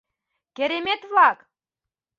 — Керемет-влак!..